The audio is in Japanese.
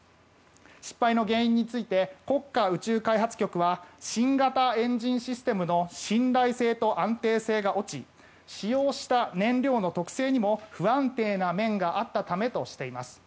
失敗の原因について国家宇宙開発局は新型エンジンシステムの信頼性と安定性が落ち使用した燃料の特性にも不安定な面があったためとしています。